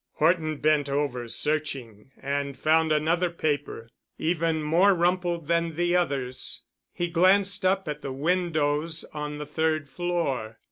Horton bent over searching and found another paper, even more rumpled than the others. He glanced up at the windows on the third floor.